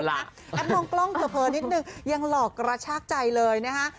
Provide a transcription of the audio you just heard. มองกล้องเผลอนิดนึงยังหลอกกระชากใจเลยนะฮะ